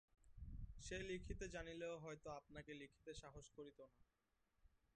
সে লিখিতে জানিলেও হয়তো আপনাকে লিখিতে সাহস করিত না।